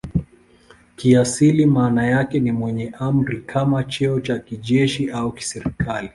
Kiasili maana yake ni "mwenye amri" kama cheo cha kijeshi au kiserikali.